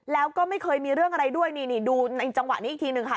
แล้วก็ไม่เคยมีเรื่องอะไรด้วยนี่นี่ดูในจังหวะนี้อีกทีหนึ่งค่ะ